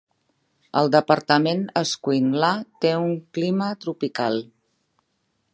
El departament Escuintla té un clima tropical.